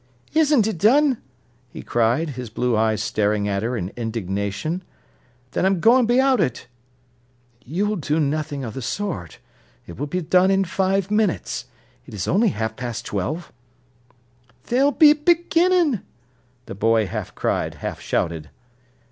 "Isn't it done?" he cried, his blue eyes staring at her in indignation. "Then I'm goin' be out it." "You'll do nothing of the sort. It will be done in five minutes. It is only half past twelve." "They'll be beginnin'," the boy half cried, half shouted.